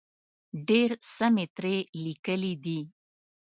ډېر څه مې ترې لیکلي دي.